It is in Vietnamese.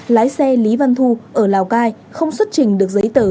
lái xe lý văn thu ở lào cai không xuất trình được giấy tờ